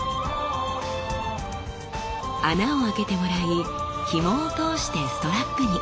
穴を開けてもらいひもを通してストラップに。